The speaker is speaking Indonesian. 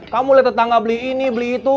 kamu lihat tetangga beli ini beli itu